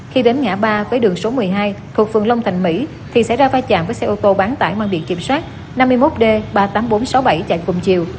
khi đến ngã ba với đường số một mươi hai thuộc phường long thành mỹ thì xảy ra vai chạm với xe ô tô bán tải mang biển kiểm soát năm mươi một d ba mươi tám nghìn bốn trăm sáu mươi bảy chạy cùng chiều